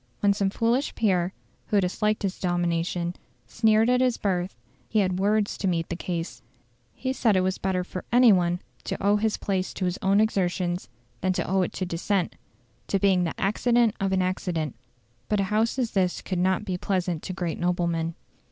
When some foolish peer, who disliked his domination, sneered at his birth, he had words to meet the case: he said it was better for any one to owe his place to his own exertions than to owe it to descent, to being the "accident of an accident". But such a House as this could not be pleasant to great noblemen.